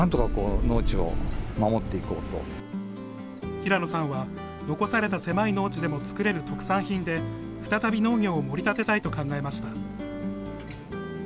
平野さんは残された狭い農地でも作れる特産品で再び農業をもり立てたいと考えました。